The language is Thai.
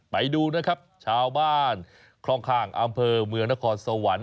ไปดูนะครับชาวบ้านคลองข้างอำเภอเมืองนครสวรรค์